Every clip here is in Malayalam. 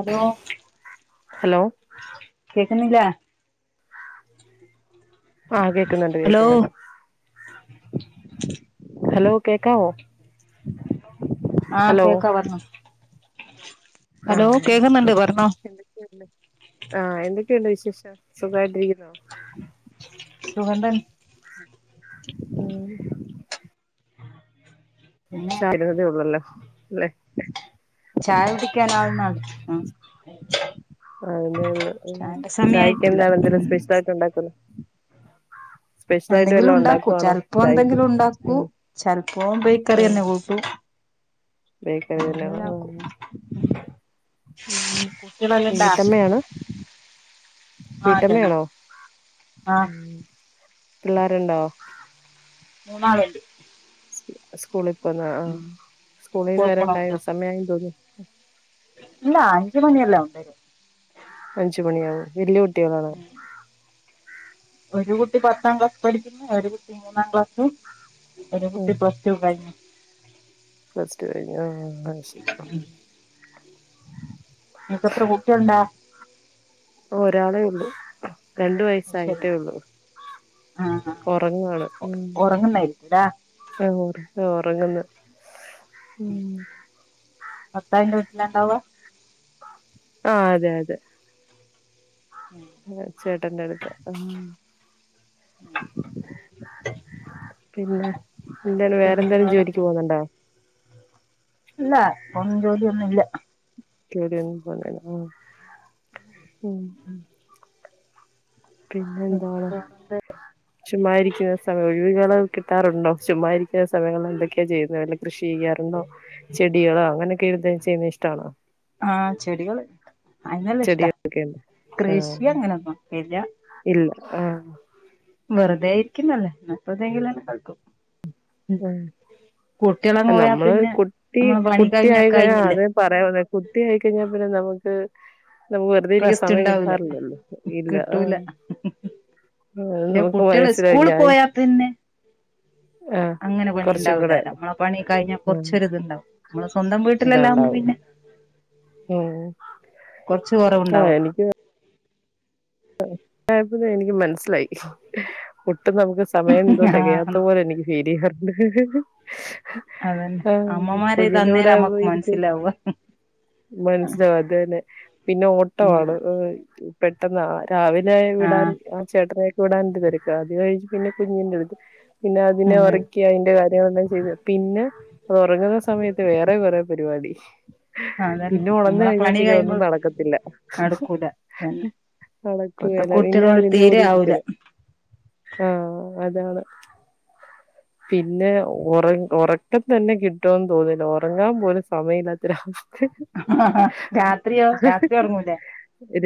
ഹലോ ഹലോ [unintelligible] ആഹ് കേക്ന്ന്ണ്ട് ഹലോ കേക്ന്ന്ണ്ട് ഹലോ കേക്കാവോ ആഹ് ഹലോ കേക്കാ പറഞ്ഞോ ആ ഹലോ കേക്കുന്നുണ്ട് പറഞ്ഞോ എന്തക്കെണ്ട് ആഹ എന്തൊക്കെയുണ്ട് വിശേഷം സുഖായിട്ടിരിക്കുന്നോ സുഗന്ധൻ ആ പിന്നെ ചതതെ ഉള്ളല്ലേ ല്ലെ ചായ കുടിക്കാൻ ആവന്നുള്ളു ആ [unintelligible] ചായയ്ക്ക് സമയായിട്ടില്ല എന്താണ് എന്തെലും ഉം സ്പെഷ്യൽ ആയിട്ട് ഉണ്ടാക്കുന്നോ എന്തെങ്കിലും വല്ലോം ഉണ്ടാക്കൂ ഉണ്ടാക്കുവാണോ ചെലപ്പോം ചായക്ക് എന്തെങ്കിലും ഉണ്ടാക്കൂ ഉം ചെിലപ്പോം ബേക്കറിന്നെ കൂട്ടു ബേക്കറിത്തന്നെ ആ ഉം കുട്ടികളെല്ലാം ഇണ്ടാ വീട്ടമ്മയാണ് ആഹ് തന്നെ വീട്ടമ്മയാണോ ആഹ് പിള്ളേരുണ്ടോ മൂന്നാള് ണ്ട് സ്കൂളിപ്പന്ന ആ സ്കൂളീന്ന് സ്കൂളി വരാൻ പോണ ടൈ കുട്ടികൾ സമയമായി തോന്ന് ഇല്ല അഞ്ച മണിയല്ലാവും അഞ്ചു മണി ആകും വല്യാ കുട്ടികലാണ് ഒരു കുട്ടി പത്താം ക്ലാസ് പഠികിന്ന് ഒരു കുട്ടി മൂന്നാം ക്ലാസ്സും ഒരു കുട്ടി പ്ലസ്ടു കഴിഞ് പ്ലസ്റ്റു കഴിഞ്ഞോ ആ ശരി ഉം നിനക്ക് എത്ര കുട്ടിയാള്ണ്ട ഒരാളേ ഉള്ളു രണ്ടു അത് ശരി വയസായിട്ടേ ഉള്ളു ആഹ് ആഹ് ഉറങ്ങാണ് ഉറങ്ങുന്നായിരിക്കുംല്ലേ ഉറങ്ങുന്നെ മം പത്തായിന്റെ വീട്ടിലാണ്ടാവ ആ അതെ അതെ ചേട്ടന്റെ അടുത്ത് ഉ [unintelligible] പിന്നെ എന്തേലും വേറന്തേലും വേറെന്താ ജോലിക്ക് പോന്നുണ്ടോ ഇല്ല പൊന്നും ജോലിയൊന്നും ല്ല [unintelligible] പിന്നെ എന്താണ് ചുമ്മാരിക്കുന്ന സമയം ഒഴിവികള കിട്ടാറുണ്ടോ? ചുമ്മാ ഇരിക്കുന്ന സമയങ്ങളിൽ എന്തൊക്കെ ചെയ്തത് വല്ല കൃഷി ചെയ്യാറുണ്ടോ? ചെടികളോ അങ്ങനെക്കെന്തേ ചെയ്യുന്നത് ഇഷ്ടാണോ? ആ ചെടികൾ അയ്നെല്ലഷ്ട ചെടികളൊക്കെ ഉണ്ടോ കൃഷി അങ്ങനൊന്നും ല്ല ആ വെറുതേ ഇര്ക്കുന്നല്ലെ അപ്പൊന്തേങ്കിലൊ കൾക്കും ഉം കുട്ട്യേളോ നമ്മള് കുട്ടി കുട്ടി ആയിക കഴിഞ്ഞില്ലേ അതെ പറയാന്നെ കുട്ടി ആയിക്കഴിഞ്ഞാ പിന്നെ നമുക്ക് ലെ വെറുതെ ഇരിക്കാൻ റെസ്റ്റ് സമയം ഉണ്ടാവൂല കിട്ടാറില്ലല്ലോ ഇല്ല കിട്ടൂല ആഹ് ആഹ് പക്ഷെ നമുക്ക് കുട്ടികള് മനസിലായി സ്കൂളിൽ ഞാൻ പോയാ പിന്നെ ആഹ് അങ്ങനെ പണി കുറച്ചും കൂടെ ഇണ്ടാവുലാല്ലോ മ്മളെ പണി കഴിഞ്ഞാ ഉം കൊർച്ചൊര്ത്ണ്ടാവും മ്മള് സ്വന്തം വീട്ടിലെല്ലാവുമ്പോ ഇതാണ്ടാവും പിന്നെ ഉം കൊർച്ച് ആഹ് കൊറവുണ്ടാവല്ലോ എനിക്ക് [unintelligible] എനിക്ക് മനസ്സിലായി ഒട് ട്ടും നമുക്ക് സമയം എന്തോ ആഹ് തെകയാത്ത പോലെ എനിക്ക് ഫീലെയ്യാറ്ണ്ട് അതന്നെ ആഹ് അമ്മമാരെ കുഞ്ഞിന്റെ തന്നേ കൂടെ ആവുമ്പോ നമ്മക്ക് ഇരിക്കും മനസ്സിലാവ മൻസ്സിലാവു അതെന്നെ പിന്നെ ഉം ഓട്ടവാണ് ഏഹ് പെട്ടെന്ന് രാവിലെ വിടാൻ ആഹ് ആ ചേട്ടനെ വീടാൻ്റെതെരക്കാ അത് കഴിഞ്ഞ് പിന്നെ കുഞ്ഞിന്റടുത്ത് പിന്നെ അതിനെ ഉം ഒറക്കി അതിന്റെ കാര്യങ്ങളെല്ലാംചെയ്ത് പിന്നെ ഒറങ്ങ്ന്ന സമയത്ത് വേറെ കൊറേ പരുവാടി അതന്നെ പിന്നെ ഉണന്ന് നമ്മളെ കഴിഞ്ഞാ പണി പിന്നെ കഴിയുമ്പോ ഒന്നും നടക്കത്തില്ല നടക്കൂല അതന്നെ ഇപ്പത്തെ നടക്കുകേല പിന്നെ കുട്ടികളോട് അതിന്റെ തീരെ കൂടി ആവൂല ഇരിക്കണം ആഹ് അതാണ് പിന്നെ ഒറങ് ഒറക്കം തന്നെ കിട്ടുവെന്ന് തോന്നില്ല ഒറങ്ങാൻ പോലും സമയില്ലാത്തൊരു അവസ് രാത്രിയോ രാത്രി ഒർങ്ങൂലേ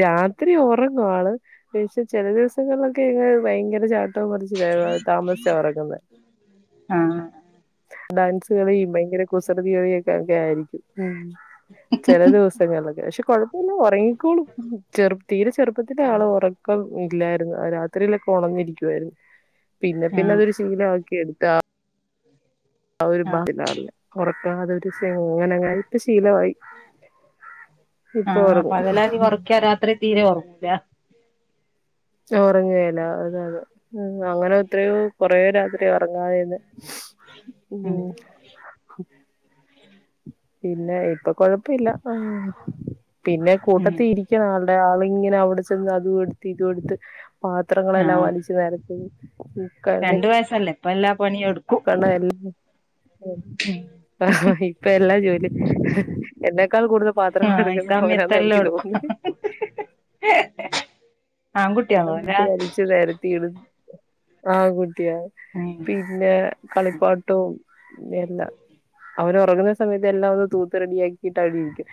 രാത്രി ഒറങ്ങും ആള് പക്ഷെ ചെല ദിവസങ്ങളിലൊക്കെ ഇങ്ങനെ ഭയങ്കര [unintelligible] [unintelligible] താമസിച്ചാ ഒറങ്ങുന്നെ ആഹ് ഡാൻസുകളിയും ഭയങ്കര കുസൃതികളിയൊക്കെ ഒക്കെ ആയിരിക്കും ഉം ചെല ദിവസങ്ങളിലൊക്കെ പക്ഷെ കൊഴപ്പുല്ല ഒറങ്ങിക്കോളും ചെറു തീരെ ചെറു ആള് ഒറക്കം ഇല്ലായിരുന്നു രാത്രിലൊക്കെ ഒണന്നിരിക്കുവായിരുന്നു പിന്നെ പിന്നെ ആഹ് അതൊരു ശീല [unintelligible] ആ ഒരു ആഹ് [unintelligible] ഒറക്കാതൊരൂസ്സിങ്ങനിങ്ങ [unintelligible] ശീലവായി ഇപ്പൊ ആഹ് ഒറങ്ങും പകലാതി ഒറക്കിയാ രാത്രി തീരെ ഒറങ്ങൂല ഒറങ്ങുയേല അതാണ് ഉം അങ്ങനെ എത്രയോ കൊറേ രാത്രി ഒറങ്ങാതെന്ന് ഉം പിന്നെ ഇപ്പൊ കൊഴപ്പില്ല പിന്നെ ഉം കൂട്ടത്തി ഇരിക്കാനാൾ ഏ ആളിങ്ങനെ അവിടെ ചെന്ന് അതു എടുത്ത് ഇതുടുത്ത് പാത്രങ്ങളെല്ലാം വലിച്ചു നെരത്തി രണ്ടു വയസ്സല്ലേ ഇപ്പ എല്ലാ പണിയും എടുക്കും പണ എല്ലാ ആ ഇപ്പ എല്ലാ ജോലി എന്താ ക്കാൾ കൂടുതൽ പാത്രങ്ങൾ ആഹ് ഈ എടുക്കുന്ന ഓരാന്ന സമയത്തെല്ലാം എനിക്ക് എടുക്കും തോന്നുന്നേ ആൺകുട്ടിയാവൂലേ അങ്ങട്ട് വലിച്ചു നേരത്തീടു ആ ഉം പിന്നേ കളിപ്പാട്ടവും എല്ല അവര റങ്ങുന്ന സമയത്ത് എല്ലാ ഒന്ന് തൂത്ത് റെഡിയാക്കിട്ട് അടിരിക്കും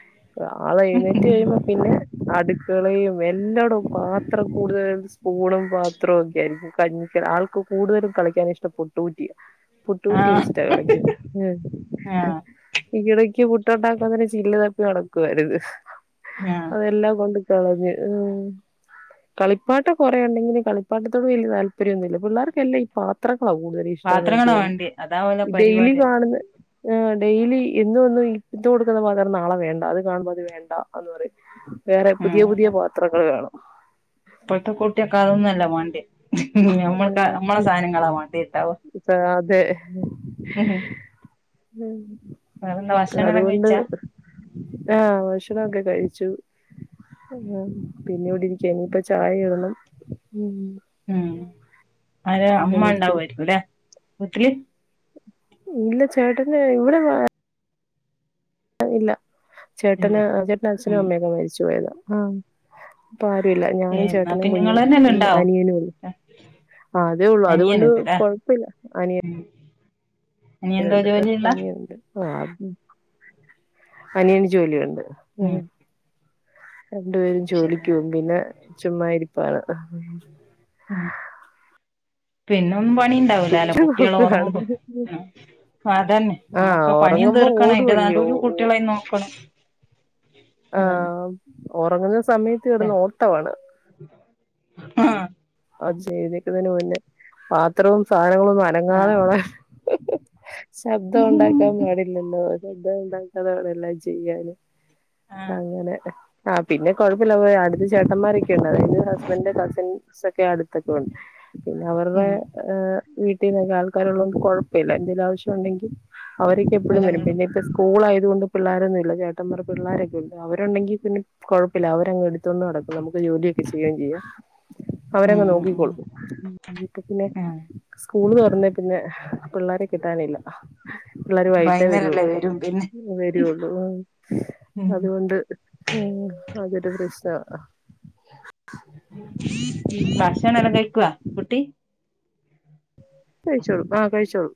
ആള് എഴുന്നേറ്റ് കഴിയുമ്പോ പിന്നെ അടുക്കളയും എല്ലാടും പാത്രം കൂടുതൽ സ്പൂണും പാത്രവും ഒക്കെ ആയിരിക്കും കഞ്ഞിക്ക് ആൾക്ക് കൂടുതലും കളിക്കാൻ ഇഷ്ടപ്പുട്ട്കൂ റ്റിയ പുട്ട്കുറ്റി ആഹ് വെച്ചിട്ടാ കളിക്കു ആഹ് ഈ കിടക്ക് പു ട്ടുണ്ടാക്കാൻ തന്നെ ചില്ല് തപ്പി നടക്കുവാരുന്നു ആഹ് അതെല്ലാം കൊണ്ട് തളര് ഉ കളിപ്പാട്ട കൊറേ ഉണ്ടെങ്കിലും കളിപ്പാട്ടത്തോട് വല്ല്യ താല്പര്യൊന്നുല്ല്യ പിള്ളേർക്കല്ലാം ഈ പാത്ര ഓ കൂടുതല് ഇഷ്ടാന്ന് എനിക്ക് പാത്രങ്ങളാ വേണ്ടിയെ അതാ ഓലെ തോന്നുന്നുഈ ഡെയിലി പരിപാടി കാണുന്ന ആ ഡെയ്ലി ഇന്ന് വന്ന് ഇത്തു കൊടുക്കുന്ന പാത്ര നാളെ വേണ്ട അത് കാണുമ്പോ അത് വേണ്ട എന്ന് പറയും വേറെ പുതിയ പുതിയ പാത്രങ്ങൾ വേണം. ഇപ്പഴത്തെ കുട്ടിയൊക്കെ അതൊന്നും അല്ല വാണ്ടിയെ ഉ ഞമ്മൾക്ക നമ്മളെ സാധനങ്ങളാ വേണ്ടട്ടാവ. ഇപ്പ അതെ ഉഹും. ഉ അതുകൊണ്ട് ആഹ് ഭക്ഷണം ഒക്കെ കഴിച്ചു പിന്നെ ഇവിടിരിക്ക ഇനിയിപ്പ ചായ ഇടണം. ഉം ആര് അങ്ങനെ അമ്മ ഉണ്ടാവു ഇരിക്കുന്നു ആയിരിക്കും അല്ലെ വീട്ടില് ഇല്ല ചേട്ടന്റെ ഇവിടെ ഇല്ല ഇല്ല ചേട്ടന് ചേട്ടന് അച്ഛനും ഉം അമ്മയൊക്കെ മരിച്ചു പോയതാ ആഹ്. ഇപ്പ ആരുല്ല ഞാനും ഏഹ് എന്നാ ചേട്ടനും പിന്നെ കുഞ്ഞും നിങ്ങള് തന്നെയല്ലേ ഉണ്ടാവും അനിയനും ഉള്ളു. ആഹ് അതേ ഉള്ളു അതുകൊണ്ട് അനിയനുണ്ടല്ലേ കൊഴപ്പില്ല അനിയ ഉം അനിയൻ എന്തോ നിയനുണ്ട് ജോലിയുള്ള അനിയനുണ്ട്. ആഹ് അനിയന് ജോലിയുണ്ട് ഉം. രണ്ടുപേരും ശരി ജോലിക്ക് പോവും പിന്നെ ചുമ്മാ ഇരിപ്പാണ് ഉം പിന്നൊന്നും പണിണ്ടാവൂല അല്ലോ കൊച്ചു കുട്ടിള്ളെ നോക്കാണ് ഉറങ്ങുമ്പോ അതന്നെ ആഹ് നമ്മുക്ക് പണിയും ഉറങ്ങുമ്പോ തീർക്കണം എന്റെ ഓടുവല്ലയോ നടൂല് കുട്ടികളേം നോക്കണം അതന്നെ ആഹ് ഉറങ്ങുന്ന സമയത്ത് കിടന്ന് ഓട്ടമാണ് ആഹ് കൊച്ചെഴുന്നേ ക്കുന്നതിന് മുന്നേ പാത്രവും സാധനങ്ങള ഒന്നും അനങ്ങാതെ ആഹ് വേണം ശബ്ദം ഉണ്ടാക്കാൻ പാടില്ലല്ലോ ശബ്ദം ഉണ്ടാക്കാതോടെല്ലാം ചെയ്യാന് ആഹ് അങ്ങനെ ആ പിന്നെ കൊഴപ്പില്ല അവ അടുത്ത ചേട്ടന്മാരൊക്കെയുണ്ട് അതായന് ഹസ്ബൻഡ് കസിൻ സൊക്കെ അടുത്തൊക്കെ ഉണ്ട് പിന്നെ അവരുടെ ഉം വീട്ടീനൊക്കെ ആൾക്കാരുള്ളൊണ്ട് കുഴപ്പമില്ല എന്തെങ്കിലും ആവശ്യം ഉണ്ടെങ്കിൽ അവരൊക്കെ എ പ്പഴും വരും പിന്നെ ഓലങ്ങെടുക്കും ഇപ്പോ സ്കൂൾ ആയത് കൊണ്ട് പിള്ളോരൊന്നുല്ല ചേട്ടൻ പറയുംപിള്ളോരൊക്കെ അവരുണ്ടെങ്കിൽ പിന്നെ കുഴപ്പമില്ല അവരങ് എടുത്തൊണ്ട് നടക്കും നമുക്ക് ജോലിയൊക്കെ ചെയ്യുകയും ചെയ്യാം ഉം അവരങ്ങ് ഉം നോക്കിക്കോളൂപ്പം പിന്നെ ആഹ് സ്കൂള് തുറന്നേ പിന്നെ പിള്ളേരെ കിട്ടാനില്ല പിള്ളരു വൈകിട്ടേ വൈകുന്നേരല്ലേ വരുള്ളൂ വരും പിന്നെ വരുള്ളൂ ഉം അതുകൊണ്ട് ഉം അതൊരു പ്രശ്നം ഭാഷണ എല്ലാം കഴക്കുവൊ കുട്ടി കഴിച്ചോളും ആഹ് കഴിച്ചോളും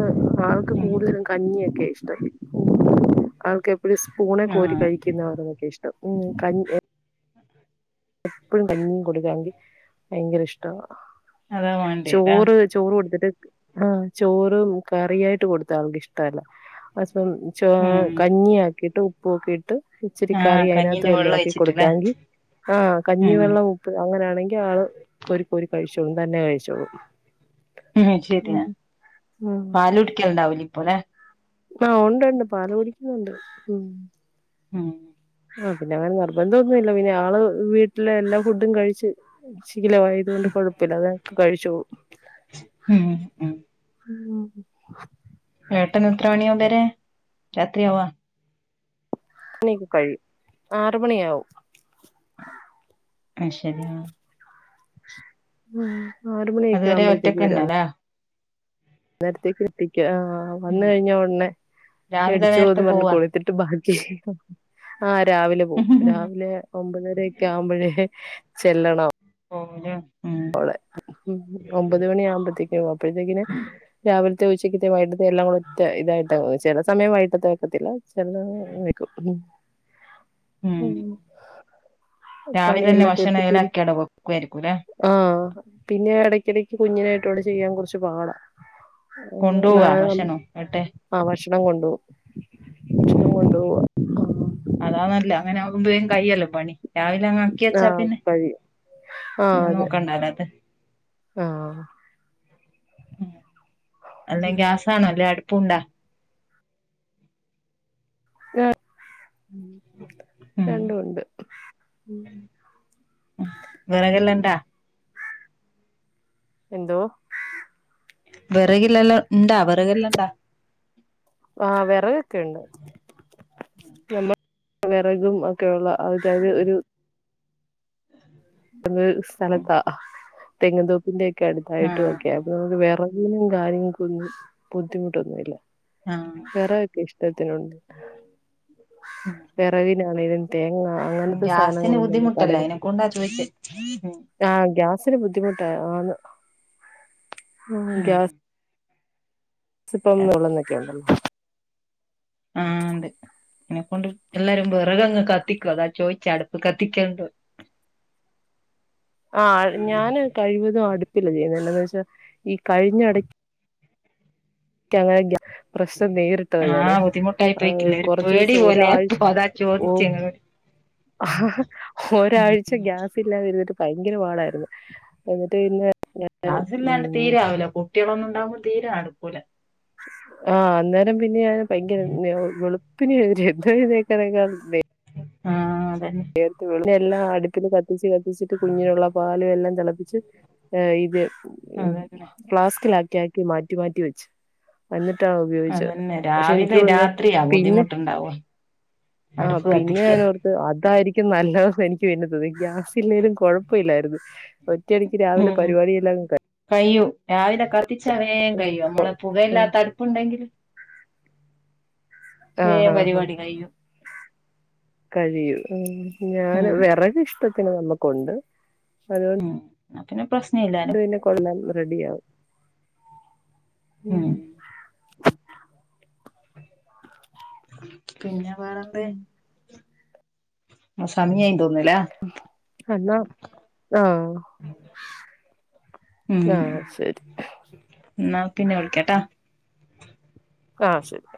ആ ആൾക്ക് ഉം കൂടുതലും കഞ്ഞിയൊക്കെ ഇഷ്ടം ആൾക്ക് ഒരു സ്പൂണേ കോരി ആഹ് കഴിക്കുന്നവരൊക്കെ ഇഷ്ടം ഉ എപ്പോഴും കഞ്ഞിയും കൊടുക്കാങ്കി ഭയങ്കര ഇഷ്ടമാണ് അതാ വേണ്ടിയല്ലേ ചോറ് ചോറ് കൊടുത്തിട്ട് ആഹ് ചോറും കറിയായിട്ട് കൊടുത്ത ആൾക്ക് ഇഷ്ടമല്ല അ ഉം കഞ്ഞി ആക്കിട്ട് ഉപ്പൊക്കി ട്ട് ഇച്ചിരി ആഹ് കറി അതിനകത്ത് കഞ്ഞീന്റെ വെള്ളം എളക്കി ഒഴിച്ചിട്ടില്ലേ കൊടുക്കാങ്കി ആഹ് ഉം കഞ്ഞിവെള്ളം ഉപ്പ് അങ്ങനൊണെങ്കി ആള് ഒരു കോരി കഴിച്ചോളും തന്നെ കഴിച്ചോളും ഉം ശരിയാ ഉം പാല് കുടിക്കണ്ടാവൂല ഇപ്പോലെ ആഹ് ഉണ്ട്ണ്ട് പാല് കുടിക്കുന്നുണ്ട് ഉം ഉം ആ പിന്നെ അവന് നിർബന്ധൊന്നുല്ല പിന്നെ ആള് വീട്ടിലെ എല്ലാ ഫുഡും കഴിച്ച് [unintelligible] ആയത് കൊണ്ട് കൊഴപ്പില്ല അതക്ക് കഴിച്ചു പോവും ഉം ഉം ഏട്ടന് എത്ര മണിയാവകും വരേ രാത്രിയാവാ ണിക്കൊ കഴിയും ആറ് മണിയ ആവും അത് ശരി ആ ആ ആറ് മണിയൊക്കെ അതുവരെ ആകുമ്പോഴത്തേക്ക് വരാ ഒറ്റക്കന്നെല്ലേ നേരത്തേക്ക് എത്തിക്ക ആ വന്ന് ഉം കഴിഞ്ഞ ഉടനെ രാവിലെ മടിച്ചു നേരത്തെ പോന്ന് പറഞ്ഞ് പോവാ കൊളിത്തിട്ട് ബാ ആഹ് രാവിലെ പോകും രാവിലെ ഒമ്പതര ഒക്കെ ആവുമ്പോഴേ ചെല്ലണം ഔടെ ഓളെ മ് ഒമ്പത് മണി ആവുമ്പോത്തേക്ക് അപ്പോഴ്ത്തേക്കിന് രാവിൽ തെ ഉച്ചക്ക്ത്തെ വൈകിട്ടെല്ലാം കൂടെറ്റതായിട്ട് ചെല സമയം വൈകിട്ടത്തെ വെക്കത്തില്ല ചെല സമയംവക്കും മ് മ് രാവിലെന്നെ ഭഷണലാക്കി ആടെ വെക്കുവായിരിക്കുലേ ആ പിന്നെ എടക്കിടക്ക് കുഞ്ഞിനായിട്ടോട് ചെയ്യാൻ കൊറ്ച്ച് പാടാ ആ കൊണ്ടുപോവാ ഭക്ഷണം ഏട്ടൻ [unintelligible] ആ ഭക്ഷ ഷണം കൊണ്ട് പോവും ഭക്ഷണം ഉം കൊണ്ടോവാ അതാ നല്ല അങ്ങനാകുമ്പം കയ്യൃല്ലോ പണി രാവിലെ അങ്ങാക്കി ആഹ് വെച്ചാപിന്നെ കഴിയും പിന്നെ നോക്കണ്ടല്ലത് ആ ആ അല്ല ഗ്യാസാണോ ല്ലേ അടുപ്പുണ്ടാ ര മ് ഉം രണ്ടൂണ്ട് മ് വിറകല്ലണ്ടാ എന്തോ വെറകില്ലല്ലൊ ഇണ്ടാ വെറകല്ലാണ്ട. ആ വെറകൊക്കെണ്ട് നമ്മ വെറകും ഓക്കേ ഒള്ള. അതത് ഒരു ഒര് സ്ഥലത്താ ആ തെങ്ങ്ന്തോപ്പിന്റെക്കെടുത്തായിട്ടൊക്കെ അപ്പമുക്ക് വെറക് നും കാര്യങ്ങക്കൊന്നും ബുദ്ധിമുട്ടൊന്നുല്ല. ആ വെറകൊക്കെ ഇഷ്ടത്തിന്ണ്ട് വെറകില്ലാ തളയും തേ മ് ഗ്യാസിന് ബുദ്ധിമുട്ടല്ലെ ഐനെക്കൊണ്ടാ ചോയ്ച്ചെ ഉം. ആഹ് ഗ്യാസിന് ബുദ്ധിമുട്ട ആണ് മ് ഉം ഗ്യാസ് ഇപ്പംള്ളുന്നൊക്കെണ്ടല്ലോ. ആഹ് ണ്ട് ഐനെക്കൊണ്ട് എല്ലാരും വെറകങ്ങ്കത്തിക്കാ അതാ ചോയ്ച്ചാ അടുപ്പ് കത്തിക്കെണ്ട ആ ഞാന് കഴിവതും അടുപ്പിൽ [unintelligible] ന്നുവെച്ചാ ഈ കഴിഞ്ഞടക് ക്കണെയ്ന്റെയ. പ്രശ്നം നേരിട്ടത് ഞാന് ആഹ് ബുദ്ധിമുട്ടായി ആ പോയിക്കില്ലേ ഒരു പേടി കൊറച്ചൂസം പോലെ ഒരാഴ്ച അപ്പൊ അതാ ഓ ചോദിച്ചേ ഇങ്ങളോട് ഹൊരാഴ്ച ഗ്യാസില്ലാതിരുന്ന്ട്ട് ഭയങ്കര വഹളായിരുന്നു എന്നിട്ട് പിന്നെ ഗാസ്സില്ലാണ്ട് ഉം തീരേ ആവൂല കുട്ട്യാള് ഒന്നും ഇണ്ടാവുമ്പോ തീരെ നടുക്കൂല ആ അന്നേരം പിന്നെ ഞാൻ ഭയങ്കര വെൾ വെളുപ്പിനെറ്റ് [unintelligible] ആഹ്. അതന്നെ നേർ [unintelligible] എല്ലാം അടുപ്പില് കത്തിച്ച് കത്തിച്ചിട്ട് കുഞ്ഞിനുള്ള പാലും എല്ലാംതെള പ്പിച്ച് ഏ ഇത് അതന്നെ ഫ്ലാസ്ക്കിലാക് ലാക്കി മാറ്റി മാറ്റി വെച്ച് അന്നിട് ട്ടഉപയോഗിച്ച് അതന്നെ പക്ഷെ എനിക്ക് രാവിലെ തോന്ന്ന് രാത്രിയാ പിന്നെ ബുദ്ധിമുട്ടുണ്ടാവ ആഹ് അടുപ്പ് പിന്നെ കത്തിക്കാൻ ഞാനോർത്ത് അത് തായിരിക്കും നല്ലത് എനിക്ക് പിന്നെ തോന്നി ഗ്യാസില്ലെലും കൊഴപ്പല്ലായിരുന്നു ഒ റ്റടിക്ക് രാവിലെ ഉം പരിപാടിയെല്ലാന് കയി കയ്യും രാവിലെ കത്തിച്ച വേം കഴിയും കഴി മ്മളെപുകയില്ലാത്തടുപ്പുണ്ടെങ്കില് ആഹ് വേം ആഹ് ആഹ് പരിപാടി കയ്യും. കഴിയും ആ ഞാന് ഉം വെറകിഷ്ട്ടത്തിനുണ്ട് നമ്മക്കുണ്ട് അതുകൊണ്ട് എന്ന പിന്നെ പ്രശ് ണ്ടുപിന്നെ കൊടന്നാൽ റെഡിയാവും. ഉം. പിന്നെ മ്മ്. ആ സമി ആയി ദോ ആ എന്നാ ആഹ് ഉം ആഹ് ശരി ന്നാ പിന്നെ വിളിക്കാട്ടാ ആഹ് ശരി.